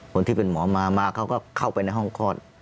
คนที่เป็นหมอมามาเขาก็เข้าไปในห้องคลอด